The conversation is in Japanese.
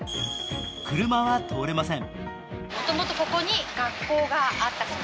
車は通れません。